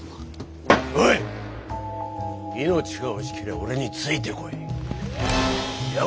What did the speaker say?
おい命が惜しけりゃ俺についてこい！